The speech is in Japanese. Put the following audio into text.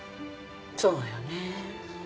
そうよね。